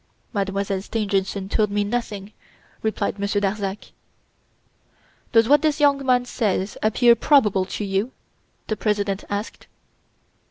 "Mademoiselle Stangerson told me nothing," replied Monsieur Darzac. "Does what this young man says appear probable to you?" the President asked.